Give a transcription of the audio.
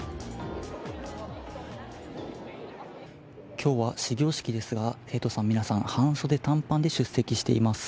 きょうは始業式ですが、生徒さん、皆さん、半袖、短パンで出席しています。